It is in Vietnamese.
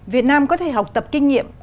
việt nam có thể học tập kinh nghiệm